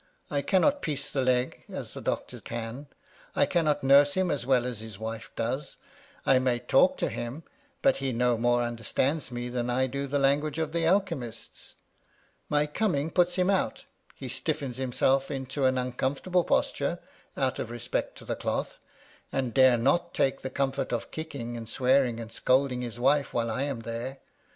" I cannot piece the leg as the doctor can ; I cannot nurse him as well as his wife does ; I may talk to him, but 36 MY LADY LUDLOW. he no more understands me than I do the language of the alchemists. My coming puts him out ; he stiffens himself into an uncomfortable posture, out of respect to the cloth, and dare not take the comfort of kicking, and swearing, and scolding his wife, while I am there.